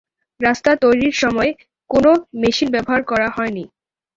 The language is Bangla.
রাস্তা তৈরির সময় কোনো মেশিন ব্যবহার করা হয়নি।